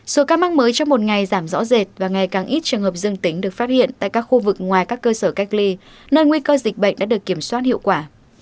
số ca mắc mới trong một ngày giảm rõ rệt và ngày càng ít trường hợp dương tính được phát hiện tại các khu vực ngoài các cơ sở cách ly nơi nguy cơ dịch bệnh đã được kiểm soát hiệu quả